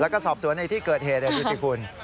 แล้วก็สอบสวนในที่เกิดเหตุดูสิคุณ